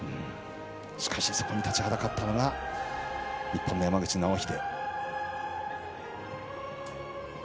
しかし、そこに立ちはだかったのが日本の山口尚秀。